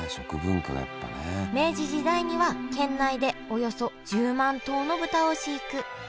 明治時代には県内でおよそ１０万頭の豚を飼育。